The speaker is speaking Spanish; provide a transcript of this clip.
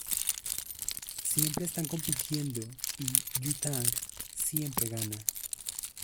Siempre están compitiendo y Yu Tang, siempre gana.